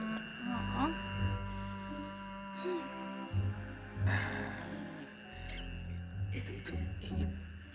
itu itu ini